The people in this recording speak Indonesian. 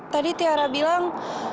tadi tiara bilang